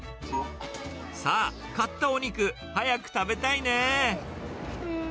さあ、買ったお肉、早く食べたいね。